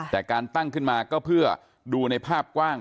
แต่การตั้งขึ้นมาก็เพื่อดูในภาพกว้าง